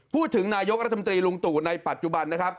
พูดถึงนายกรัฐมนตรีลุงตู่ในปัจจุบันนะครับ